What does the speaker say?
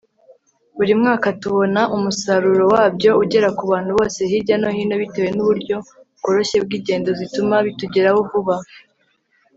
buri mwaka tubona umusaruro wabyo ugera ku bantu bose hirya no hino, bitewe n'uburyo bworoshye bw'ingendo zituma bitugeraho vuba